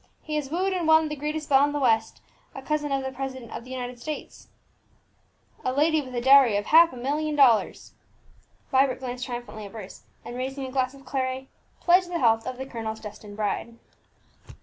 He has wooed and won the greatest belle in the West, a cousin of the president of the United States, a lady with a dowry of half a million of dollars!" Vibert glanced triumphantly at Bruce, and raising a glass of claret, pledged the health of the colonel's destined bride.